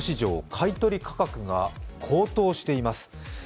買い取り価格が高騰しています。